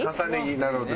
なるほど。